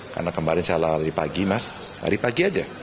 karena kemarin saya lari pagi mas hari pagi aja